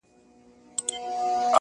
چي په اغزیو د جنون دي نازولی یمه-